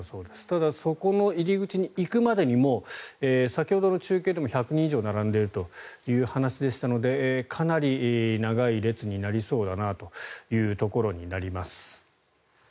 ただ、そこの入り口に行くまでに先ほどの中継でも１００人以上並んでいるという話でしたのでかなり長い列になりそうだなというところになります。